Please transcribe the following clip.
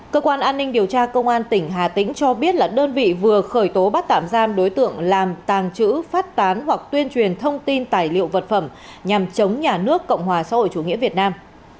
cơ quan an ninh điều tra công an tỉnh hà tĩnh cho biết là đơn vị vừa khởi tố bắt tạm giam đối tượng làm tàng trữ phát tán hoặc tuyên truyền thông tin tài liệu vật phẩm nhằm chống nhà nước cộng hòa xã hội chủ nghĩa việt nam